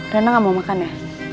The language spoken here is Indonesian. rena gak mau makan ya